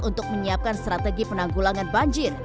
untuk menyiapkan strategi penanggulangan banjir